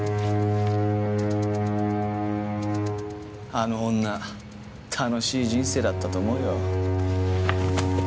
あの女楽しい人生だったと思うよ。